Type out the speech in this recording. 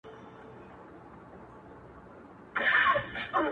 o چي سپى د دنيا نه سې، د دنيا خاوند به نه سې٫